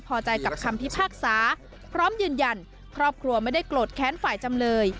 พอใจกับคำพิพากษาพร้อมยืนยันครอบครัวไม่ได้โกรธแค้นฝ่ายจำเลย